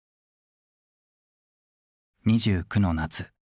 ２９の夏。